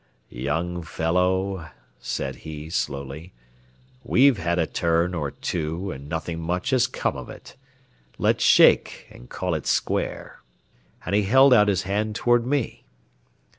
"Young fellow," said he, slowly, "we've had a turn or two, an' nothin' much has come of it. Let's shake an' call it square." And he held out his hand toward me.